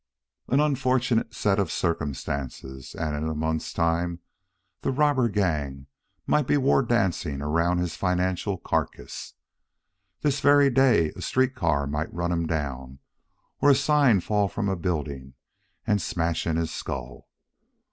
An unfortunate set of circumstances, and in a month's time the robber gang might be war dancing around his financial carcass. This very day a street car might run him down, or a sign fall from a building and smash in his skull.